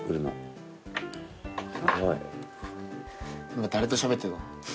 今誰としゃべってんの？